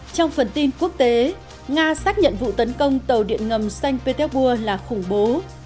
trong phần tin quốc tế nga xác nhận vụ tấn công tàu điện ngầm xanh petersburg là khủng bố